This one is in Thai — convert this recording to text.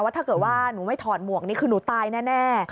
ถ้าเกิดว่าหนูไม่ถอดหมวกนี่คือหนูตายแน่